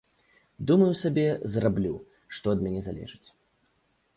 Думаю сабе, зраблю, што ад мяне залежыць.